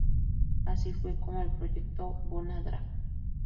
Así fue como el proyecto "Bona Drag".